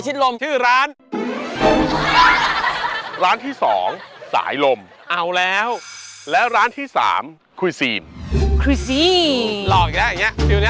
สิบสิบไหลแล้วจะซักเท่าไหร่ดิพัดหนึ่ง